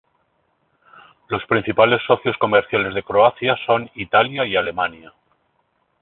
Los principales socios comerciales de Croacia son Italia y Alemania.